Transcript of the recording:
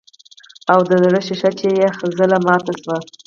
او د زړۀ شيشه چې ئې يو ځل ماته شوه